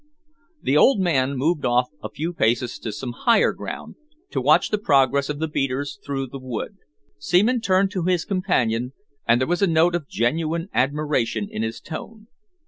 The old man moved off a few paces to some higher ground, to watch the progress of the beaters through the wood. Seaman turned to his companion, and there was a note of genuine admiration in his tone.